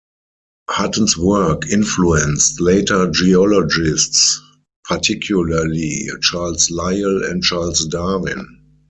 Hutton's work influenced later geologists, particularly Charles Lyell and Charles Darwin.